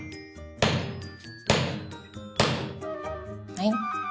はい。